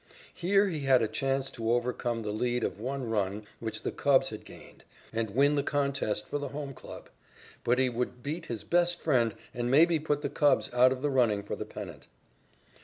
Here he had a chance to overcome the lead of one run which the Cubs had gained, and win the contest for the home club, but he would beat his best friend and maybe put the Cubs out of the running for the pennant.